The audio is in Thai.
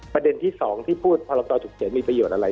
ประเด็นที่๒ที่พูดบัญชาการสั่งการสั่งการสึกประกาศอะไร